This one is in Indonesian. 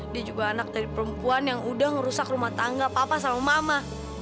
dia juga anak dari perempuan yang udah ngerusak rumah tangga papa sama mama